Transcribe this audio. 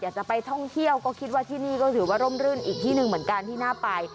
อยากจะไปท่องเที่ยวก็คิดว่าที่นี่ก็ถือว่าร่มรื่นอีกที่หนึ่งเหมือนกันที่น่าไป